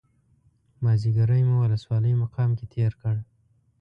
مازیګری مو ولسوالۍ مقام کې تېر کړ.